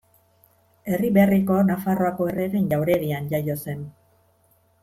Erriberriko Nafarroako Erregeen Jauregian jaio zen.